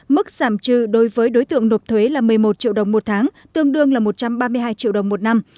mức giảm trừ đối với đối tượng nộp thuế là một mươi một triệu đồng một tháng tương đương là một trăm ba mươi hai triệu đồng một năm